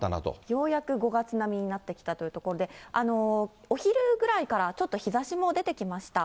ようやく５月並みになってきたということで、お昼ぐらいからちょっと日ざしも出てきました。